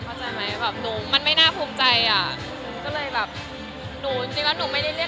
เข้าใจไหมนุ้งมันไม่น่าภูมิใจ